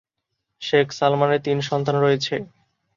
শেখ সালমানের তিন সন্তান রয়েছে।